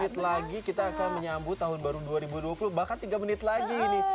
menit lagi kita akan menyambut tahun baru dua ribu dua puluh bahkan tiga menit lagi ini